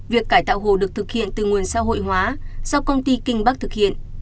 việc cải tạo hồ được thực hiện từ nguồn xã hội hóa do công ty kinh bắc thực hiện